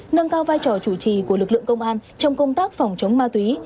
nâng cao vai trò chủ trì của lực lượng công an trong công tác phòng chống ma túy